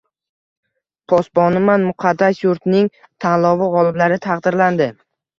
Posboniman muqaddas yurtning tanlovi g‘oliblari taqdirlandi